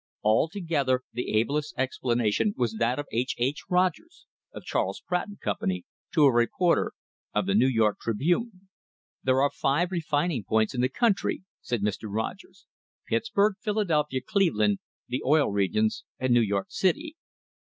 Altogether the ablest explanation was that of IHL H. Rogers, of Charles Pratt and Company, to a reporter^ >f the New York Tribune : "There are five refining points in the country," said Mr. Rogers, " Pittsburg, Phila elphia, Cleveland, the Oil Regions and New York city.